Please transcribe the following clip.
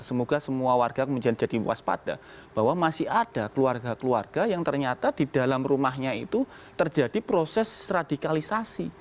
semoga semua warga kemudian jadi waspada bahwa masih ada keluarga keluarga yang ternyata di dalam rumahnya itu terjadi proses radikalisasi